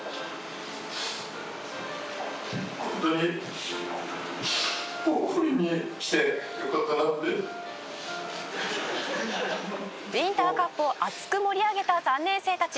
ホントに「ウインターカップを熱く盛り上げた３年生たち」